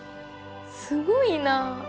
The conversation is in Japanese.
すごいな。